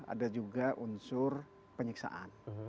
ada juga unsur penyiksaan